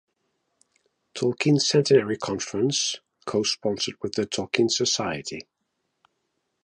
Tolkien Centenary Conference, co-sponsored with The Tolkien Society.